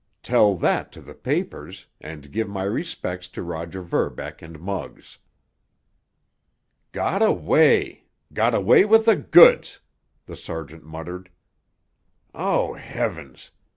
Tell that to the papers, and give my respects to Roger Verbeck and Muggs. "Got away—got away with th' goods," the sergeant muttered. "Oh, heavens!